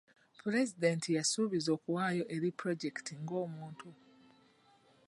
Pulezidenti yasuubizza okuwaayo eri pulojekiti ng'omuntu.